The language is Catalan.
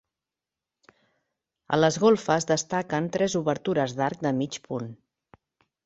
A les golfes destaquen tres obertures d'arc de mig punt.